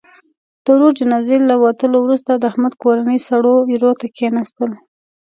د ورور جنازې له وتلو وروسته، د احمد کورنۍ سړو ایرو ته کېناستل.